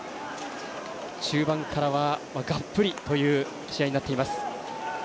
中盤からは、がっぷりという試合になっています。